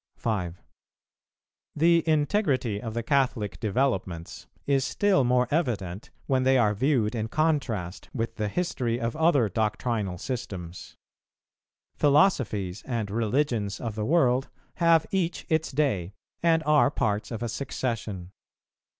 5. The integrity of the Catholic developments is still more evident when they are viewed in contrast with the history of other doctrinal systems. Philosophies and religions of the world have each its day, and are parts of a succession.